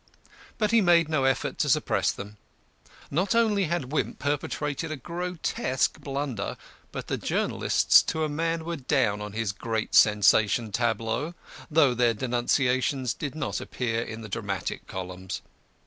But he made no effort to suppress them. Not only had Wimp perpetrated a grotesque blunder, but the journalists to a man were down on his great sensation tableau, though their denunciations did not appear in the dramatic columns.